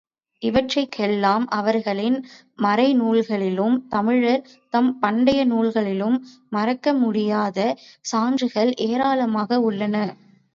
இவற்றிற்கெல்லாம் அவர்களின் மறைநூல்களிலும் தமிழர் தம் பண்டைய நூல்களிலும் மறுக்கமுடியாச் சான்றுகள் ஏராளமாக உள்ளன.